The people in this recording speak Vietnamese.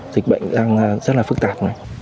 dịch bệnh đang rất phức tạp